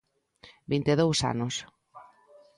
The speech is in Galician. Vinte e dous anos.